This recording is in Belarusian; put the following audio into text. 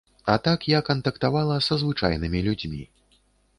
А так я кантактавала са звычайнымі людзьмі.